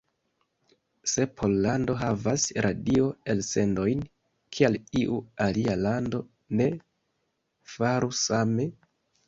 Se Pollando havas radio-elsendojn, kial iu alia lando ne faru same?